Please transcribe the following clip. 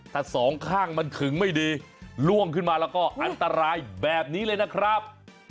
แต่สองข้างมันถึงไม่ดีล่วงขึ้นมาแล้วก็อันตรายแบบนี้เลยนะครับ